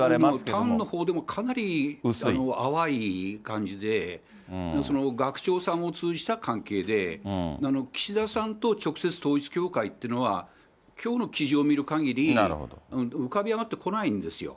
淡のほうでも、かなり淡い感じで、学長さんを通じた関係で、岸田さんと直接統一教会っていうのは、きょうの記事を見るかぎり、浮かび上がってこないんですよ。